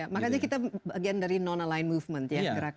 makanya kita bagian dari non aligned movement